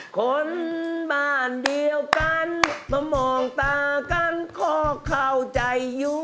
คนบ้านเดียวกันมามองตากันก็เข้าใจอยู่